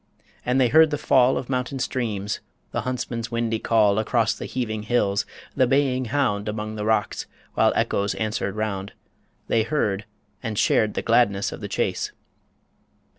And they heard the fall Of mountain streams, the huntsman's windy call Across the heaving hills, the baying hound Among the rocks, while echoes answered round They heard, and shared the gladness of the chase.